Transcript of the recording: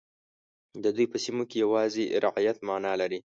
د دوی په سیمو کې یوازې رعیت معنا لري.